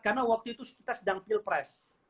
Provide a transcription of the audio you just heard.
karena waktu itu kita sedang pilpres